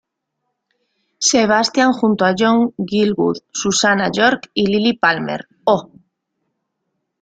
Sebastian junto a John Gielgud, Susannah York y Lilli Palmer; "Oh!